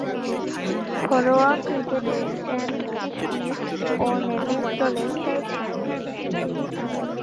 ঘরোয়া ক্রিকেটে Saint Kitts ও নেভিস দলে খেলছেন।